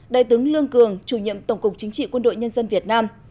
đại tướng lương cường chủ nhiệm tổng cục chính trị quân đội nhân dân việt nam